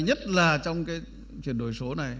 nhất là trong cái chuyển đổi số này